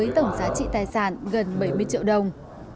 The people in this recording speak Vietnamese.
tổng giá trị tài sản gần bảy mươi triệu đồng